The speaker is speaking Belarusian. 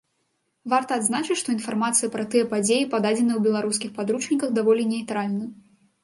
Варта адзначыць, што інфармацыя пра тыя падзеі пададзеная ў беларускіх падручніках даволі нейтральна.